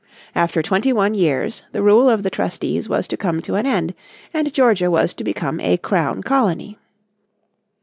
After twenty one years the rule of the trustees was to come to an end, and Georgia was to become a Crown Colony.